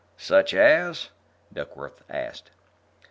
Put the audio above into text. "Such as?" Duckworth asked.